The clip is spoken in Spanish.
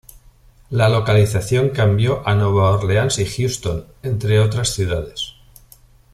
La localización cambió a Nueva Orleans y Houston, entre otras ciudades.